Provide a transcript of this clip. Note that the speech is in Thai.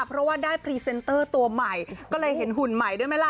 เพราะว่าได้พรีเซนเตอร์ตัวใหม่ก็เลยเห็นหุ่นใหม่ด้วยไหมล่ะ